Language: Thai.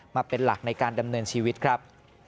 มาเป็นหลักในการดำเนินชีวิตครับ